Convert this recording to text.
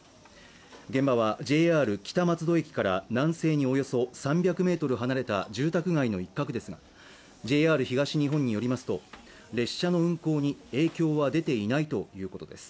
現場はＪＲ北松戸駅から南西におよそ３００ｍ離れた住宅街の一角ですが、ＪＲ東日本によりますと、列車の運行に影響は出ていないということです。